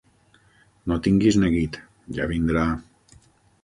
No tinguis neguit: ja vindrà.